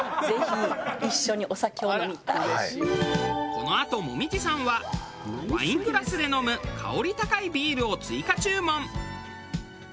このあと紅葉さんはワイングラスで飲む香り高いビールを追加注文。